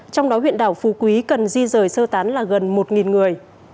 trong đó huyện đảo phú quý cần di rời sơ tán là gần một người